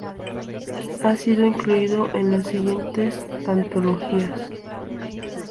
Ha sido incluido en las siguientes antologías.